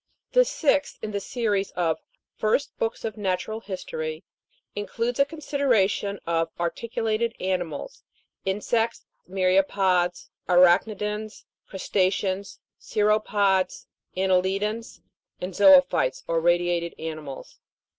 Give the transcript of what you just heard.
THE sixth in the series of " FIRST BOOKS of NA TURAL HISTORY," includes a consideration of Articu lated Animals, Insects, My'riapods, Arach'nidans, Crusta'ceans, Cirr'hopods, Anne'lidans, and Zo'o phytes, or radiated animals.